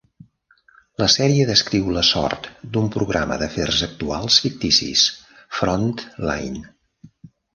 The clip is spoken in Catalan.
La sèrie descriu la sort d'un programa d'afers actuals ficticis, "Frontline".